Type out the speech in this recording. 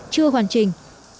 chưa hoàn chỉnh